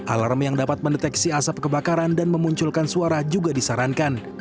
alarm yang dapat mendeteksi asap kebakaran dan memunculkan suara juga disarankan